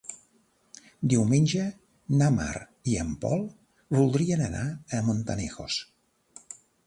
Diumenge na Mar i en Pol voldrien anar a Montanejos.